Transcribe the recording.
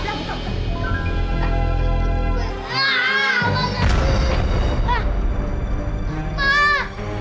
buka buka buka